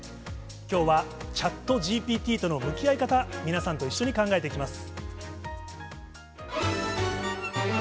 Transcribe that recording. きょうはＣｈａｔＧＰＴとの向き合い方、皆さんと一緒に考えていきます。